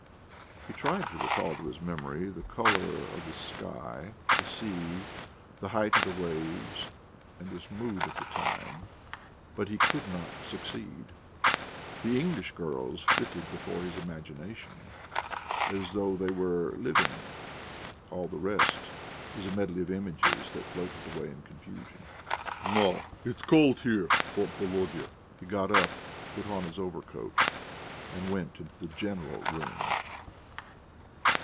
He tried to recall to his memory the colour of the sky, the sea, the height of the waves, and his mood at the time, but he could not succeed. The English girls flitted before his imagination as though they were living; all the rest was a medley of images that floated away in confusion.... "No; it's cold here," thought Volodya. He got up, put on his overcoat, and went into the "general room."